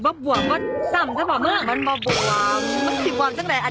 นางกินอะไรหรอ